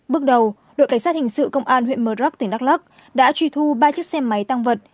bước đầu đội cảnh sát hình sự công an huyện mờ rắc tỉnh đắk lắc đã truy thu ba chiếc xe máy tăng vật